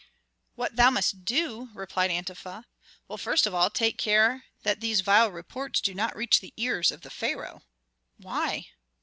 "'What thou must do?'" repeated Antefa. "Well, first of all take care that these vile reports do not reach the ears of the pharaoh." "Why?"